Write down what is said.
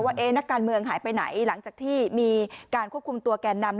ว่านักการเมืองหายไปไหนหลังจากที่มีการควบคุมตัวแก่นำ